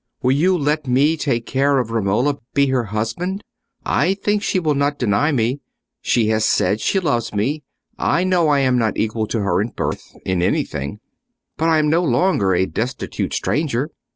Will you let me take care of Romola—be her husband? I think she will not deny me. She has said she loves me. I know I am not equal to her in birth—in anything; but I am no longer a destitute stranger."